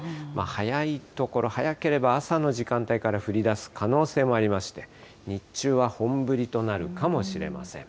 早い所、早ければ朝の時間帯から降りだす可能性もありまして、日中は本降りとなるかもしれません。